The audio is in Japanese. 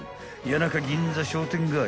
［谷中銀座商店街］